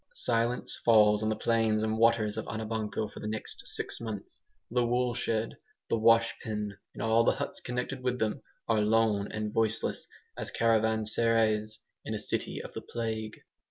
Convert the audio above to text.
Silence falls on the plains and waters of Anabanco for the next six months. The woolshed, the washpen, and all the huts connected with them are lone and voiceless as caravanserais in a city of the plague.